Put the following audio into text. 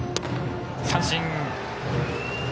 三振！